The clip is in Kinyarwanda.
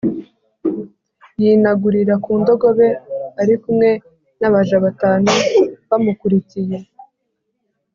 yinagurira ku ndogobe ari kumwe n’abaja batanu bamukurikiye